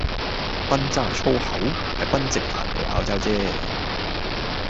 賓州係粗口？係賓夕凡尼亞州唧